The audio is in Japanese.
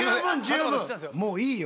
もういいよ。